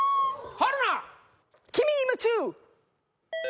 春菜「君に夢中」